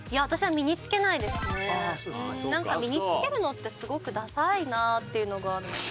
身につけるのってすごくダサいなっていうのがあるので。